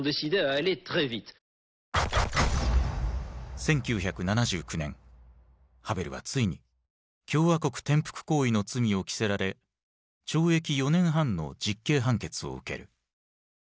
１９７９年ハヴェルはついに共和国転覆行為の罪を着せられ懲役４年半の実刑判決を受ける。